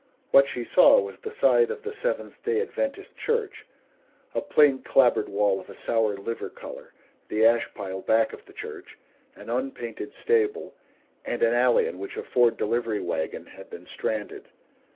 What she saw was the side of the Seventh Day Adventist Church a plain clapboard wall of a sour liver color; the ash pile back of the church; an unpainted stable; and an alley in which a Ford delivery wagon had been stranded.